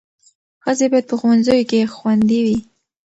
ښځې باید په ښوونځیو کې خوندي وي.